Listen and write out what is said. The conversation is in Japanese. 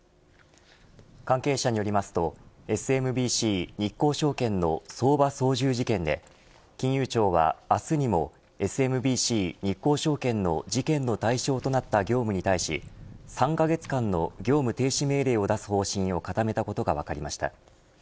関係者によりますとＳＭＢＣ日興証券の相場操縦事件で金融庁は明日にもＳＭＢＣ日興証券の事故の事件の対象となった業務に対し３カ月間の業務停止命令を出す方針を固めたことが分かりました。